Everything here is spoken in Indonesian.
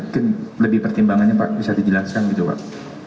mungkin lebih pertimbangannya pak bisa dijelaskan gitu pak